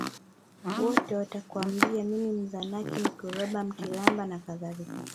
Wote watakwambia mimi Mzanaki Mkiroba Mtimbaru nakadhalika